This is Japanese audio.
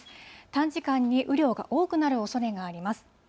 短時間に雨量が多くなるおそれがあります。